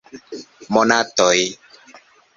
Monatoj!